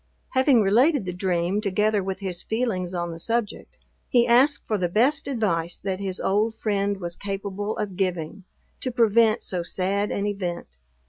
Having related the dream, together with his feelings on the subject, he asked for the best advice that his old friend was capable of giving, to prevent so sad an event.